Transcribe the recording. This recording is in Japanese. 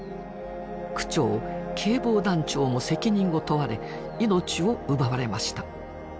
区長警防団長も責任を問われ命を奪われました。